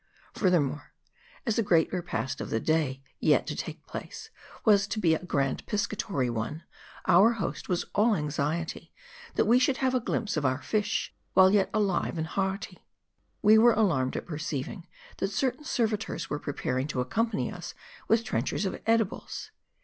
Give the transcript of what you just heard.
Furthermore, as the great repast of the day, yet to take place, was to be a grand piscatory one, our host was all anxiety, that we should have a glimpse of our fish, while yet alive and hearty. We were alarmed at perceiving, that certain servitors were preparing to accompany us with trenchers of edibles.